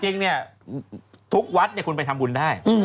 จริงเนี่ยทุกวัดคุณไปทำบุญได้